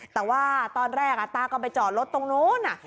แต่ว่าตอนแรกตาก็ไปจอดรถตรงนู้น